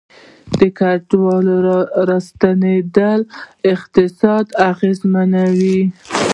د کډوالو راستنیدل اقتصاد اغیزمنوي